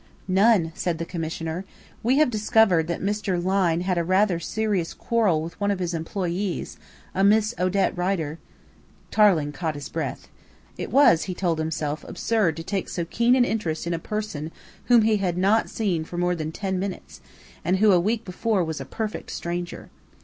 "None," said the Commissioner. "We have discovered that Mr. Lyne had rather a serious quarrel with one of his employees, a Miss Odette Rider " Tarling caught his breath. It was, he told himself, absurd to take so keen an interest in a person whom he had not seen for more than ten minutes, and who a week before was a perfect stranger.